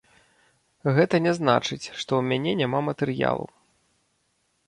Гэта не значыць, што ў мяне няма матэрыялу.